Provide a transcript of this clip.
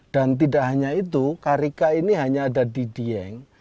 dan tidak hanya itu karika ini hanya ada di dieng